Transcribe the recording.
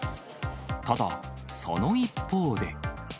ただ、その一方で。